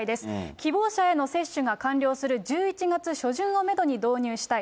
希望者への接種が完了する１１月初旬をメドに導入したい。